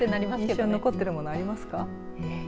印象に残ってるものありますか。